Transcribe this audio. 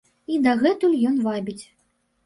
І дагэтуль ён вабіць.